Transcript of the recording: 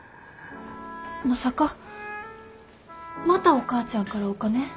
まさかまたお母ちゃんからお金？